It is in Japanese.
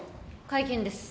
会見です。